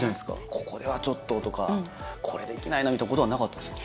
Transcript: ここではちょっととかこれできないなみたいなことはなかったんですか？